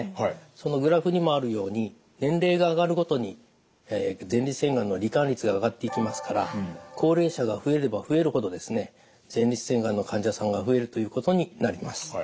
そのグラフにもあるように年齢が上がるごとに前立腺がんの罹患率が上がっていきますから高齢者が増えれば増えるほどですね前立腺がんの患者さんが増えるということになります。